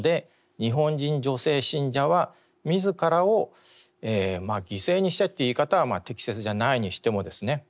日本人女性信者は自らを犠牲にしてという言い方は適切じゃないにしてもですね